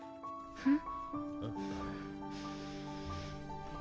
うん。